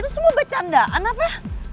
itu semua bercandaan apa